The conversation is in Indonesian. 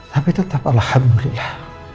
hai tapi tetap alhamdulillah